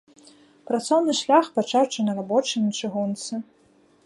Працоўны шлях пачаў чорнарабочым на чыгунцы.